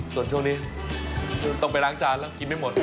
ส่วนช่วงนี้ต้องไปล้างจานแล้วกินไม่หมด